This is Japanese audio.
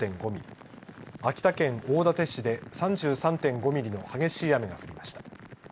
秋田県大館市で３３．５ミリの激しい雨が降りました。